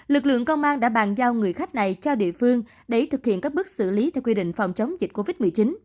lực lượng công an đã bàn giao người khách này cho địa phương để thực hiện các bước xử lý theo quy định phòng chống dịch covid một mươi chín